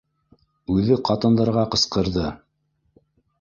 Үҙе ҡатындарға ҡысҡырҙы: